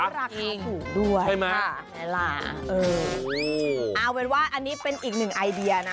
น่ารักเขาถูกด้วยนะคะเออเอาเป็นว่าอันนี้เป็นอีกหนึ่งไอเดียนะ